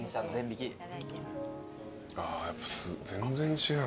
ああやっぱ全然違う。